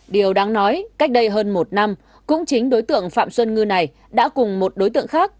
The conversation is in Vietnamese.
điều đáng nói cách đây hơn một năm cũng chính đối tượng phạm xuân ngư này đã cùng một đối tượng khác